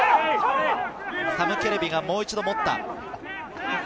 サム・ケレビがもう一度持った。